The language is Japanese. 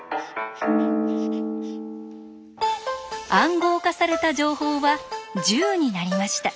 「暗号化された情報」は１０になりました。